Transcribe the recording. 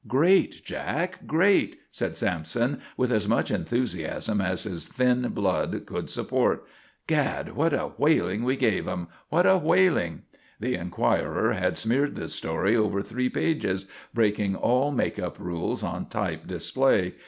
"Great, Jack, great," said Sampson with as much enthusiasm as his thin blood could support. "Gad! What a whaling we gave them! What a whaling!" The Enquirer had smeared the story over three pages, breaking all make up rules on type display.